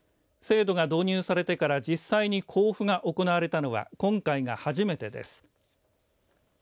制度が導入されてから実際に交付が行われたのは今回が初めてです。